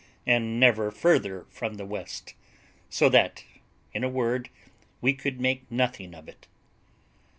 and never further from the west; so that, in a word, we could make nothing of it.